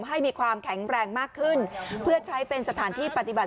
ให้มีความแข็งแรงมากขึ้นเพื่อใช้เป็นสถานที่ปฏิบัติ